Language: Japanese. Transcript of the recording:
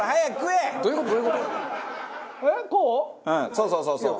そうそうそうそう。